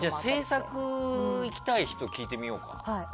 制作に行きたい人聞いてみようか。